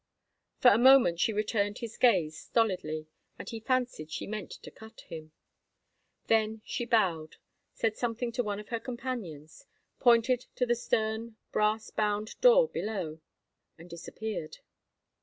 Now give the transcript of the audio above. For a moment she returned his gaze stolidly, and he fancied she meant to cut him; then she bowed, said something to one of her companions, pointed to the stern, brass bound door below, and disappeared.